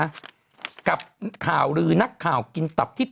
อย่างกับข่าวลือกินตับที่